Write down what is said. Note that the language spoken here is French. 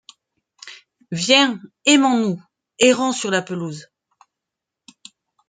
Viens ! aimons-nous ! errons sur la pelouse.